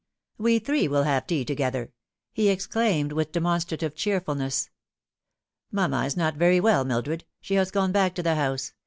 " "We three will have tea together," he exclaimed, with demonstrative cheerfulness. "Mamma is not very well, Mil dred ; she has gone back to the house.